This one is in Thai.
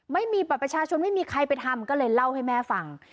ไม่มีบัตรประชาชนไม่มีใครไปทำก็เลยเล่าให้แม่ฟัง